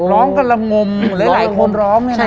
ร้องกระละงมหรือหลายคนร้องใช่ไหม